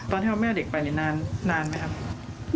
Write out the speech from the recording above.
ตอนที่เอาแม่เด็กไปนี่นานไหมครับ